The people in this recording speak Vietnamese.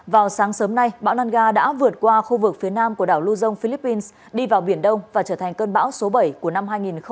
vào sáng sớm nay bão lanar đã vượt qua khu vực phía nam của đảo lưu dông philippines đi vào biển đông và trở thành cơn bão số bảy của năm hai nghìn hai mươi